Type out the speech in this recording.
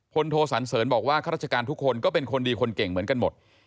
โทสันเสริญบอกว่าข้าราชการทุกคนก็เป็นคนดีคนเก่งเหมือนกันหมด